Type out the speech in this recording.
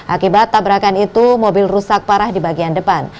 akibat tabrakan itu mobil rusak parah di bagian depan